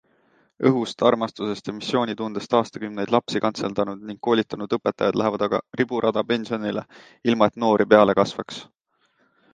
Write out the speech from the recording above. Õhust, armastusest ja missioonitundest aastakümneid lapsi kantseldanud ning koolitanud õpetajad lähevad aga riburada pensionile, ilma et noori peale kasvaks.